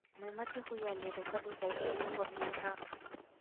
Mwimbaji huyu alirekodi zaidi ya nyimbo mia tatu